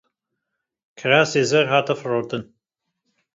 Kirasê zer hat firotin.